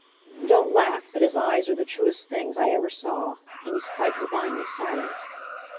Don't laugh, but his eyes are the truest things I ever saw; and he's quite divinely silent!